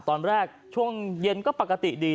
ตอนแรกช่วงเย็นก็ปกติดี